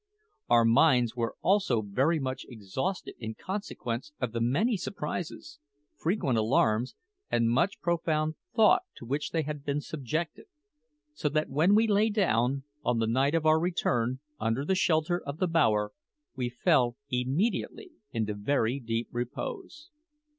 Our minds were also very much exhausted in consequence of the many surprises, frequent alarms, and much profound thought to which they had been subjected; so that when we lay down, on the night of our return, under the shelter of the bower, we fell immediately into very deep repose.